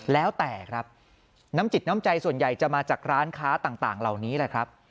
แล้วแต่ครับน้ำจิตน้ำใจส่วนใหญ่จะมาจากร้านค้าต่างเหล่านี้แหละครับ